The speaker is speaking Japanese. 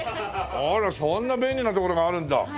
あらそんな便利なところがあるんだ。